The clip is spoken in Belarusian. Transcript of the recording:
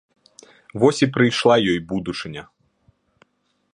Вось і прыйшла ёй будучыня!